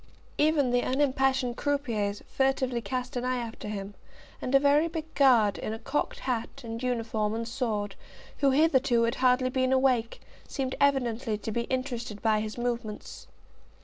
Even the unimpassioned croupiers furtively cast an eye after him, and a very big Guard, in a cocked hat, and uniform, and sword, who hitherto had hardly been awake, seemed evidently to be interested by his movements.